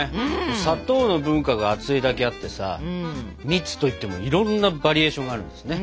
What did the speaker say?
砂糖の文化が厚いだけあってさ蜜といってもいろんなバリエーションがあるんですね。